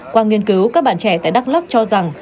qua nghiên cứu các bạn trẻ tại đắk lắc cho rằng